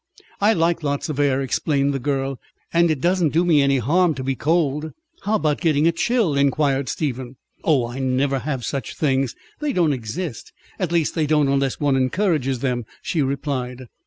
"I like lots of air," explained the girl. "And it doesn't do me any harm to be cold." "How about getting a chill?" inquired Stephen. "Oh, I never have such things. They don't exist. At least they don't unless one encourages them," she replied.